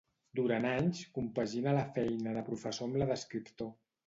Durant anys compagina la feina de professor amb la d'escriptor.